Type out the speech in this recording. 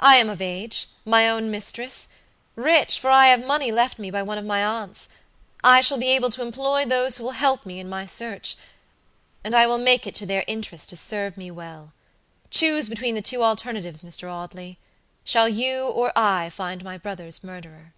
I am of age; my own mistress; rich, for I have money left me by one of my aunts; I shall be able to employ those who will help me in my search, and I will make it to their interest to serve me well. Choose between the two alternatives, Mr. Audley. Shall you or I find my brother's murderer?"